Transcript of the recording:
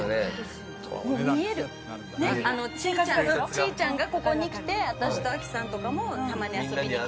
ちーちゃんがここに来て私と亜希さんとかもたまに遊びに来て。